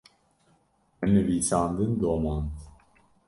min nivîsandin domand.